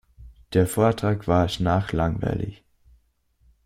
Der Vortrag war schnarchlangweilig.